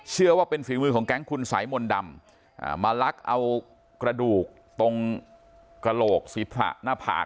เชื่อว่าเป็นฝีมือของแก๊งคุณสายมนต์ดำมาลักเอากระดูกตรงกระโหลกศีรษะหน้าผาก